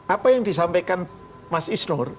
apa yang disampaikan mas isnur